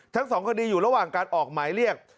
ทั้งสองคดีอยู่ระหว่างการออกหมายเรียก